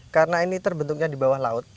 karena ini terbentuknya di bawah laut